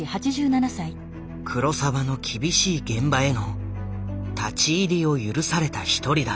黒澤の厳しい現場への立ち入りを許された一人だ。